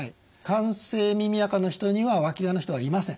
乾性耳あかの人にはわきがの人はいません。